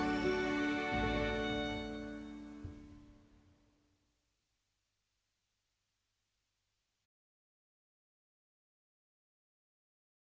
masih banyak lagi keajaiban yang akan datang